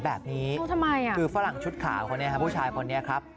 แบบนี้ทำไมอ่ะคือฝรั่งชุดขาวคนนี้ฮะผู้ชายคนนี้ครับ